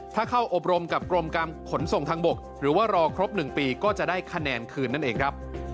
ถ้าเข้าอบรมกับกรมการขนส่งทางบกหรือว่ารอครบ๑ปีก็จะได้คะแนนคืนนั่นเองครับ